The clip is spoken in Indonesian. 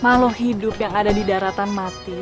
makhluk hidup yang ada di daratan mati